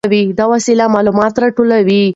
دا وسایل معلومات راټولوي.